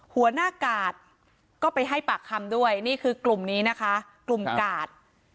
หัวหน้ากาดก็ไปให้ปากคำด้วยนี่คือกลุ่มนี้นะคะกลุ่มกาด